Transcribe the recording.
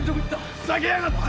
ふざけやがって！